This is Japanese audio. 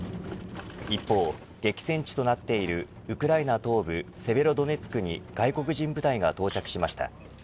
一方、激戦地となっているウクライナ東部セベロドネツクに外国人部隊が到着しました。